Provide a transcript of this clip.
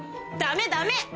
ダメダメ！